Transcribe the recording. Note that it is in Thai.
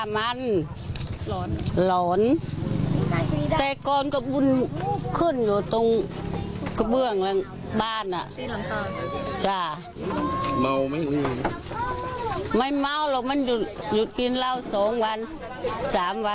ไม่รู้อะครับฉีดยา